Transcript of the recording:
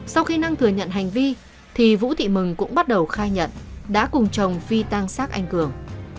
sau khi năng thừa nhận hành vi thì vũ thị mừng cũng bắt đầu khai nhận đã cùng chồng phi tang xác anh cường